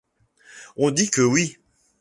On dit que oui.